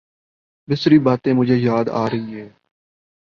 بسری باتیں مجھے یاد آ رہی ہیں۔